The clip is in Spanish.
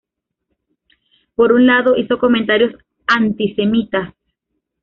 Por un lado, hizo comentarios antisemitas.